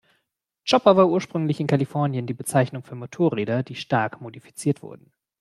Chopper war ursprünglich in Kalifornien die Bezeichnung für Motorräder, die stark modifiziert wurden.